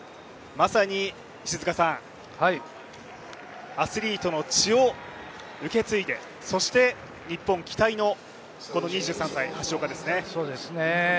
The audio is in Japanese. まさに、アスリートの血を受け継いでそして日本、期待の２３歳橋岡ですね